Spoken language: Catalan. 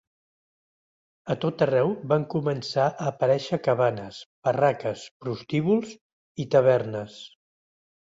A tot arreu van començar a aparèixer cabanes, barraques, prostíbuls i tavernes.